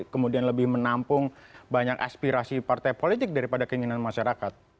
kemudian lebih menampung banyak aspirasi partai politik daripada keinginan masyarakat